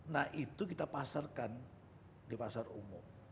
nah itu kita pasarkan di pasar umum